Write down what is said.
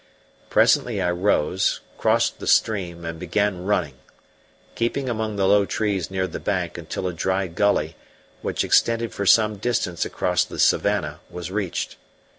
Presently I rose, crossed the stream, and began running, keeping among the low trees near the bank until a dry gully, which extended for some distance across the savannah, was reached.